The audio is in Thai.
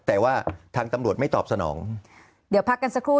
แต่ว่าทางตำรวจไม่ตอบสนองเดี๋ยวพักกันสักครู่